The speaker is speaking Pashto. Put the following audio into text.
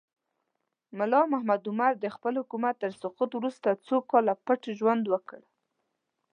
ملا محمد عمر د خپل حکومت تر سقوط وروسته څو کاله پټ ژوند وکړ.